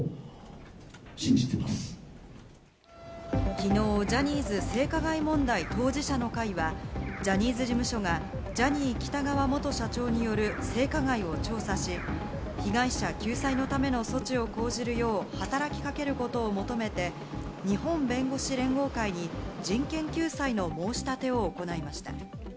きのうジャニーズ性加害問題当事者の会はジャニーズ事務所がジャニー喜多川元社長による性加害を調査し、被害者救済のための措置を講じるよう働きかけることを求めて日本弁護士連合会に人権救済の申し立てを行いました。